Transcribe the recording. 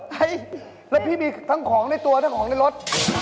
เฮ้ยแล้วพี่มีทั้งของในตัวทั้งของในรถ